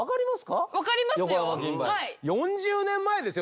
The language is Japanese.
４０年前ですよ。